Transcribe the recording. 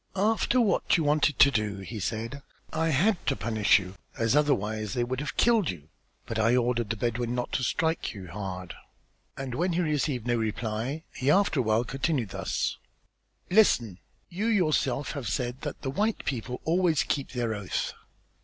"After what you wanted to do," he said, "I had to punish you as otherwise they would have killed you, but I ordered the Bedouin not to strike you hard." And when he received no reply, he, after a while, continued thus: "Listen! you yourself have said that the white people always keep their oath.